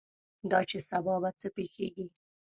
دا چې سبا به څه پېښېږي.